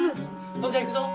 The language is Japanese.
そんじゃいくぞ。